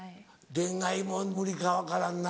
恋愛も無理か分からんな。